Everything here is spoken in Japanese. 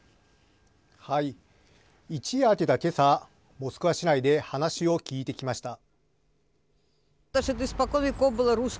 一夜明けた今朝モスクワ市内で話を聞いてきました。